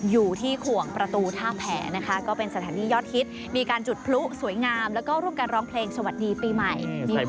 อยู่ที่ขวงประตูท่าแผนนะคะก็เป็นสถานียอดฮิตมีการจุทธิบายสวยงามและร่วมร้องเพลงสวัสดีปีใหม่